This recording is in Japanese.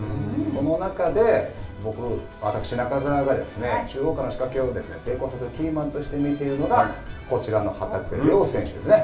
その中で、私中澤が中央からの仕掛けを成功させるキーマンとして見ているのがこちらの旗手怜央選手ですね。